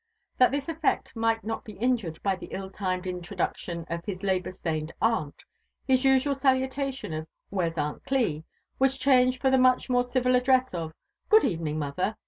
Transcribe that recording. That this effect might not be injured by the ill timed in troduction of his labour stained aunt, his usual salutation of *' Where's AunlGli?" was changed for the much more civil address of —*' Good evening, mother.